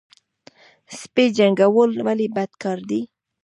سپي جنګول ولې بد کار دی؟